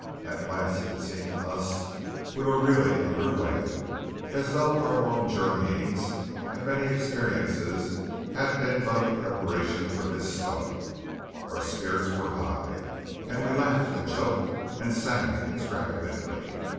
At last, it seemed to us, we were really under way; as though our long journeyings and many experiences had been but a preparation for this start. Our spirits were high, and we laughed and joked and sang extravagantly.